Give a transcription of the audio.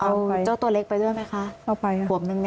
เอาเจ้าตัวเล็กไปด้วยไหมคะ